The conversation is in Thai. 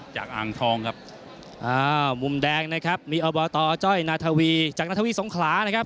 จากอังทองครับอ้าวมุมแดงนะครับมีจากสงขลานะครับ